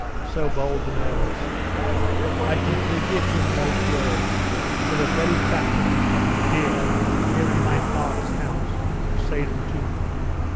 So bold and earnest! I can forgive him those words for the very fact of his having dared, here in my fathers house, to say them to me....